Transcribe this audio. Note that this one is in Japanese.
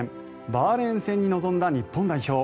バーレーン戦に臨んだ日本代表。